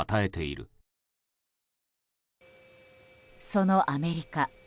そのアメリカ。